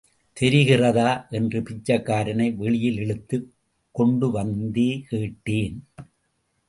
தெரிகிறதா? என்று பிச்சைக்காரனை வெளியில் இழுத்துக் கொண்டுவந்தே கேட்டான்.